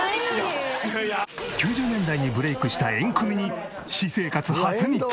９０年代にブレークしたエンクミに私生活初密着！